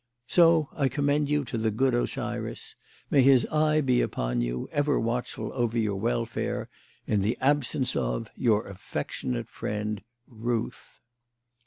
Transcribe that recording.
So I commend you to the good Osiris; may his eye be upon you, ever watchful over your welfare in the absence of "Your affectionate friend "RUTH."